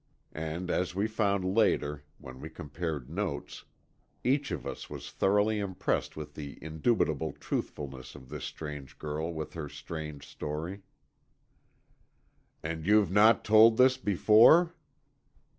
And as we found later, when we compared notes, each of us was thoroughly impressed with the indubitable truthfulness of this strange girl with her strange story. "And you've not told this before?"